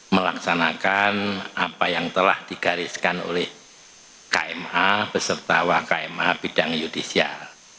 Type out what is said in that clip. melaksanakan apa yang telah digariskan oleh kma beserta wak kma bidang judisial